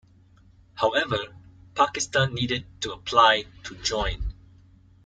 However, Pakistan needed to apply to join.